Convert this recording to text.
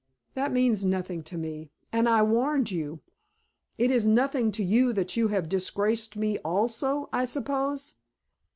"That means nothing to me. And I warned you." "It is nothing to you that you have disgraced me also, I suppose?"